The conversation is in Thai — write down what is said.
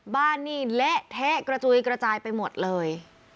บ้านนี่เละเทะกระจุยกระจายไปหมดเลย